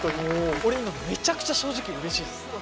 俺今めちゃくちゃ正直うれしいです。